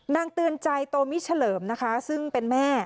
นางเตือนใจโตมิชล่มซึ่งเป็นแม่